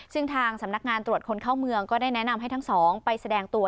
ซึ่งทางสำนักงานตรวจคนเข้าเมืองก็ได้แนะนำให้ทั้งสองไปแสดงตัว